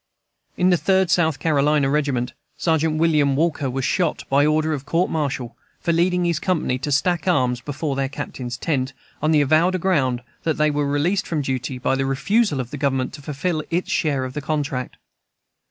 In the Third South Carolina regiment, Sergeant William Walker was shot, by order of court marital, for leading his company to stack arms before their captain's tent, on the avowed ground that they were released from duty by the refusal of the Government to fulfill its share of the contract.